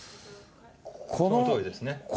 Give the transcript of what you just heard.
そのとおりですね。